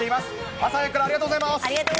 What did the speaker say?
朝早くからありがとうございます！